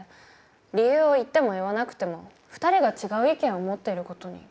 理由を言っても言わなくても２人が違う意見を持っている事に変わりはないわ。